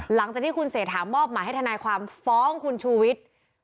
หลังจากที่คุณเศรษฐามอบหมายให้ทนายความฟ้องคุณชูวิทย์